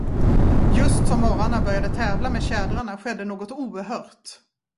Just som orrarna började tävla med tjädrarna, skedde något oerhört.